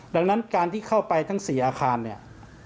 ดังนั้นการที่เข้าไปทั้ง๔อาคารเนี่ย